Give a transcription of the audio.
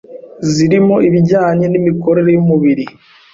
zirimo ibijyanye n’imikorere y’umubiri